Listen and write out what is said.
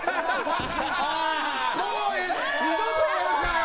二度とやるかよ！